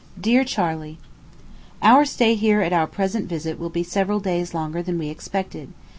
DEAR CHARLEY: Our stay here at our present visit will be several days longer than we expected.